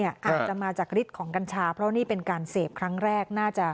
อาจจะมาจากฤทธิ์ของกัญชาเพราะนี่เป็นการเสพครั้งแรกน่าจะ